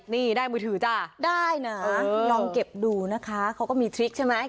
นี่ได้มือถือจ้ะได้นะลองเก็บดูนะคะเขาก็มีทริคใช่ไหม